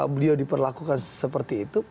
beliau diperlakukan seperti itu